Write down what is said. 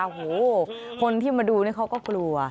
โอ้โหคนที่มาดูนี่เขาก็กลัว